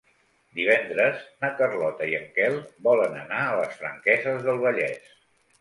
Divendres na Carlota i en Quel volen anar a les Franqueses del Vallès.